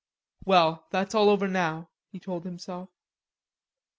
"Well, that's all over now," he told himself.